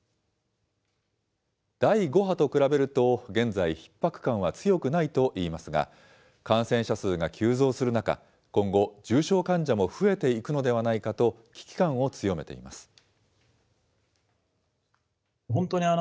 第５波と比べると現在、ひっ迫感は強くないといいますが、感染者数が急増する中、今後、重症患者も増えていくのではないかと危機感を強めています。